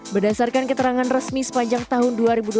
berdasarkan keterangan resmi sepanjang tahun dua ribu dua puluh